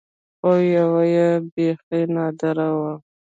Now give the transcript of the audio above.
خو يوه يې بيخي نادره وه.